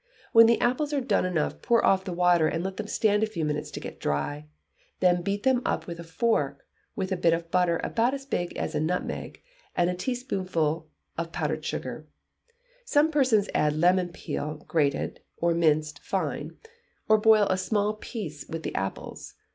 When the apples are done enough pour off the water, let them stand a few minutes to get dry; then beat them up with a fork, with a bit of butter about as big as a nutmeg, and a teaspoonful of powdered sugar; some persons add lemon peel, grated or minced fine, or boil a small piece with the apples.